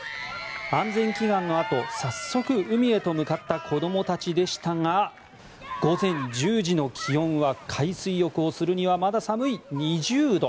安全祈願のあと早速、海へと向かった子供たちでしたが午前１０時の気温は海水浴をするにはまだ寒い、２０度。